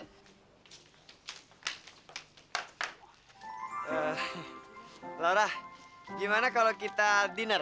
eh laura gimana kalau kita dinner